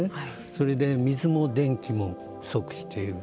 それで水も電気も不足している。